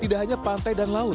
tidak hanya pantai dan laut